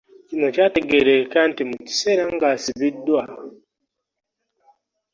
Kino kyategeerekeka nti mu kiseera ng'asibiddwa,